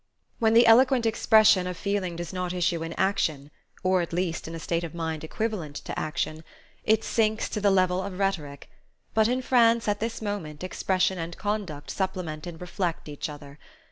When the eloquent expression of feeling does not issue in action or at least in a state of mind equivalent to action it sinks to the level of rhetoric; but in France at this moment expression and conduct supplement and reflect each other.